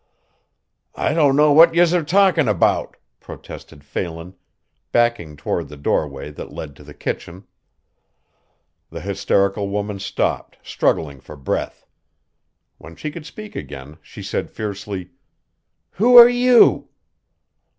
"I don't know what yez're talkin' about," protested Phelan, backing toward the doorway that led to the kitchen. The hysterical woman stopped, struggling for breath. When she could speak again she said fiercely: "Who are you?"